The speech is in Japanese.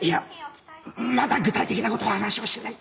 まだ具体的なことは話をしてない！